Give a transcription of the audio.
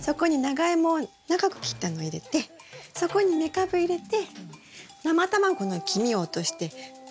そこにナガイモを長く切ったのを入れてそこにメカブ入れて生卵の黄身を落として丼にするんです。